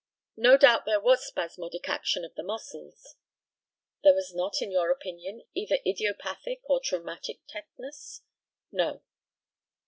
No doubt there was spasmodic action of the muscles. There was not, in your opinion, either idiopathic or traumatic tetanus? No.